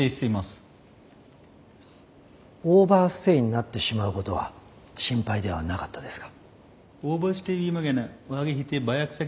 オーバーステイになってしまうことは心配ではなかったですか？